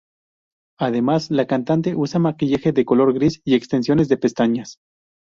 Además, la cantante usa maquillaje de color gris y extensiones de pestañas.